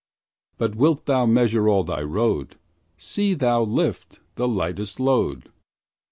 But wilt thou measure all thy road, See thou lift the lightest load.